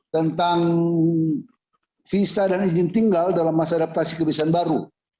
tentang visa dan izin tinggal dalam masa adaptasi kebiasaan baru